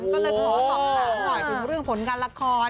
ก็เลยขอสอบถามหน่อยถึงเรื่องผลงานละคร